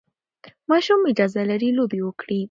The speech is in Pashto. ماشومان اجازه لري لوبې وکړي.